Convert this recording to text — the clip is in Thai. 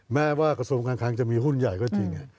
แม้ว่ากระทรวงการคลังจะมีหุ้นใหญ่ก็จริง